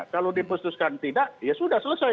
kalau diputuskan tidak ya sudah selesai